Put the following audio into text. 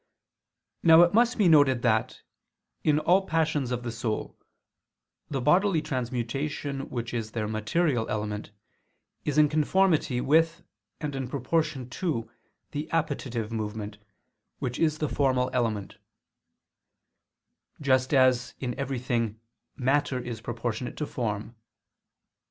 Now it must be noted that, in all the passions of the soul, the bodily transmutation which is their material element, is in conformity with and in proportion to the appetitive movement, which is the formal element: just as in everything matter is proportionate to form.